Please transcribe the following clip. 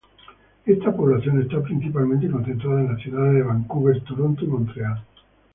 Esta población está principalmente concentrada en las ciudades de Vancouver, Toronto y Montreal.